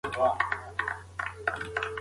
بچي د چرګې تر شا په کتار روان وو.